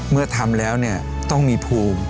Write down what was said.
เมื่อทำแล้วต้องมีภูมิ